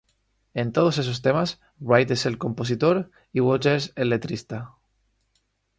En todos esos temas Wright es el compositor y Waters el letrista.